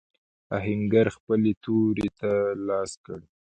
آهنګر خپلې تورې ته لاس کړ.